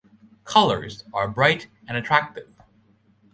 Colours are bright and attractive.